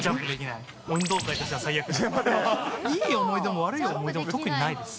いい思い出も、悪い思い出も、特にないです。